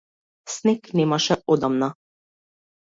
Снег немаше одамна.